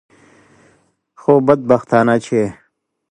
خو بدبختانه چې.